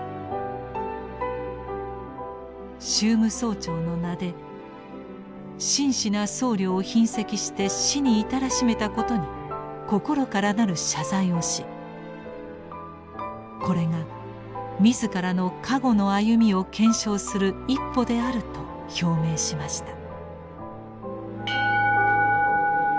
宗務総長の名で「真摯な僧侶を擯斥して死に至らしめ」たことに「心からなる謝罪」をしこれが「自らの過誤の歩みを検証」する一歩であると表明しました。